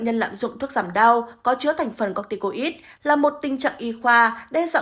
nhân lạm dụng thuốc giảm đau có chứa thành phần corticoid là một tình trạng y khoa đe dọa